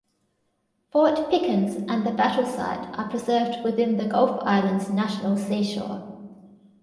Fort Pickens and the battle site are preserved within the Gulf Islands National Seashore.